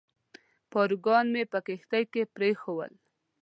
پاروګان مې په کښتۍ کې پرېښوول.